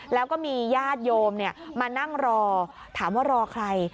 แล้วก็มีญาติโยมมานั่งรอถามว่ารอใคร